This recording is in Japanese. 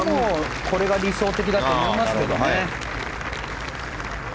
これが理想的だと思いますけどね。